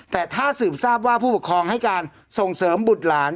แต่ถ้าสืบทราบว่าผู้ปกครองให้การส่งเสริมบุตรหลาน